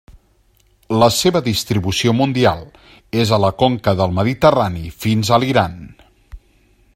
La seva distribució mundial és a la conca del Mediterrani fins a l'Iran.